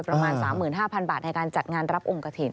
ประมาณ๓๕๐๐๐บาทในการจัดงานรับองค์กระถิ่น